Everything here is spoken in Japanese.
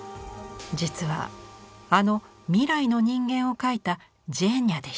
実はあの「未来の人間」を描いたジェーニャでした。